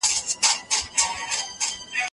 هغه وويل چی کيفي شاخصونه د ژوند اسباب په بر کي نيسي.